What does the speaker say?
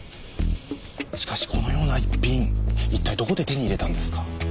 しかしこのような逸品一体どこで手に入れたんですか？